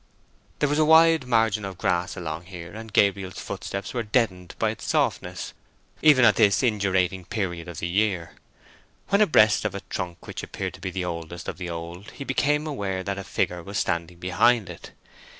There was a wide margin of grass along here, and Gabriel's footsteps were deadened by its softness, even at this indurating period of the year. When abreast of a trunk which appeared to be the oldest of the old, he became aware that a figure was standing behind it.